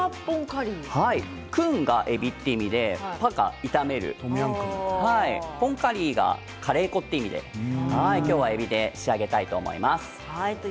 クンが、えびという意味でパッが炒めるポンカリーがカレー粉という意味で今日はえびで仕上げたいと思います。